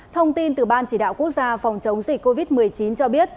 thông tin từ ban chỉ đạo quốc gia phòng chống dịch covid một mươi chín cho biết